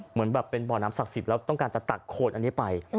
เหมือนแบบเป็นบ่อน้ำศักดิ์สิทธิ์แล้วต้องการจะตักโคนอันนี้ไป